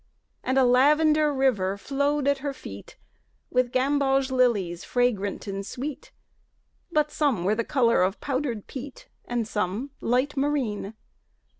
And a lavender river flowed at her feet With gamboge lilies fragrant and sweet, But some were the color of powdered peat, Some light marine.